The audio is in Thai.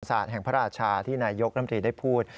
สรรค์สรรค์แสตร์แห่งพระอาชาที่นายกรรมศรีได้พูด